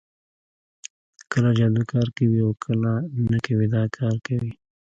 کله جادو کار کوي او کله نه کوي دا کار کوي